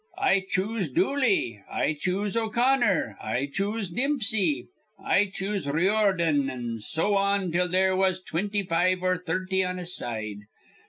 'I choose Dooley,' 'I choose O'Connor,' 'I choose Dimpsey,' 'I choose Riordan,' an' so on till there was twinty five or thirty on a side.